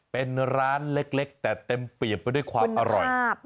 เป็นร้านเล็กแต่เต็มเปรียบไปด้วยความอร่อย